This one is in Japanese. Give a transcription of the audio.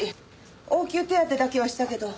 応急手当てだけはしたけど。